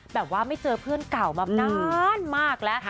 ไม่เจอเพื่อนเก่ามานานมากแล้ว